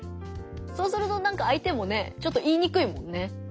そうするとなんか相手もねちょっと言いにくいもんね。